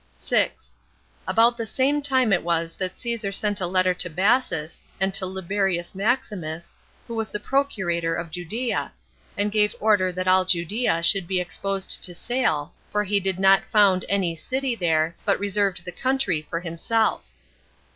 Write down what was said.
6. About the same time it was that Caesar sent a letter to Bassus, and to Liberius Maximus, who was the procurator [of Judea], and gave order that all Judea should be exposed to sale 12 for he did not found any city there, but reserved the country for himself.